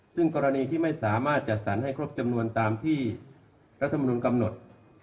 ซึ่งกรณีที่ไม่สามารถจัดสรรให้ครบจำนวนตามที่รัฐมนุนกำหนด